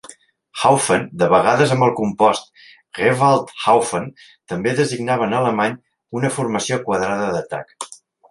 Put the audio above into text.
"Haufen", de vegades amb el compost "Gewalthaufen", també designava en alemany una formació quadrada d'atac.